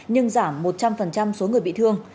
nhưng giảm một trăm linh số người bị thương